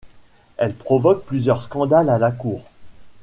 Elle provoque plusieurs scandales à la cour.